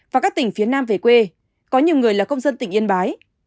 và các tỉnh phía nam về quê có nhiều người là công dân tỉnh yên bái